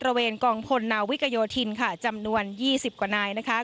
ระเวนกองพลนาวิกโยธินจำนวน๒๐กว่านาย